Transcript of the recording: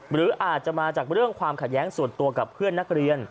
หรืออาจจะมาจากเรื่องความขัดแย้งส่วนตัวกับเพื่อนนักเรียน